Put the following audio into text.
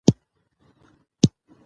اوښ د افغانستان د پوهنې په نصاب کې شته.